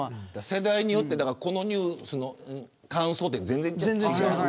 世代によってこのニュースの感想は全然違う。